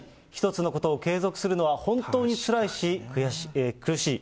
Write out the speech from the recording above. １つのことを継続するのは本当につらいし、苦しい。